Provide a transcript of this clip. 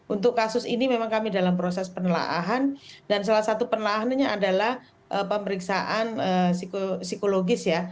untuk kasus ini memang kami dalam proses penelahan dan salah satu penelahannya adalah pemeriksaan psikologis ya